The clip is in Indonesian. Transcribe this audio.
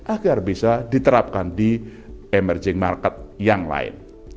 agar bisa diterapkan di emerging market yang lain